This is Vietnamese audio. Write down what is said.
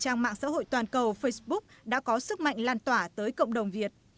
trang mạng xã hội toàn cầu facebook đã có sức mạnh lan tỏa tới cộng đồng việt